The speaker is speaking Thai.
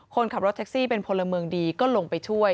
คนขับรถแท็กซี่เป็นพลเมืองดีก็ลงไปช่วย